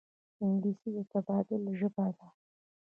انګلیسي د تبادلې ژبه ده